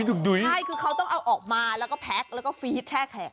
ใช่คือเขาต้องเอาออกมาแล้วก็แพ็คแล้วก็ฟีดแช่แข็ง